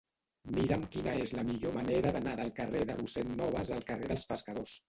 Mira'm quina és la millor manera d'anar del carrer de Rossend Nobas al carrer dels Pescadors.